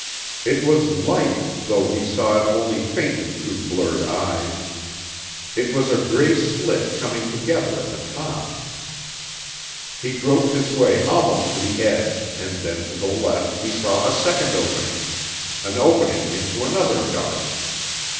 It was light, though he saw it only faintly through blurred eyes. It was a gray slit coming together at the top. He groped his way almost to the edge and then to the left he saw a second opening an opening into another dark.